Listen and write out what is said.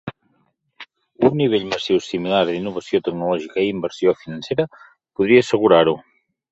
Un nivell massiu similar d'innovació tecnològica i inversió financera podria assegurar-ho.